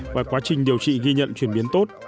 và quá trình điều trị ghi nhận chuyển biến tốt